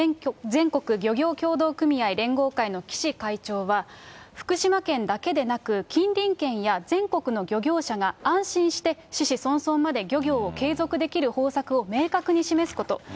全国漁業協同組合連合会の岸会長は、福島県だけでなく、近隣県や全国の漁業者が安心して、子々孫々まで漁業を継続できる方策を明確に示すこと。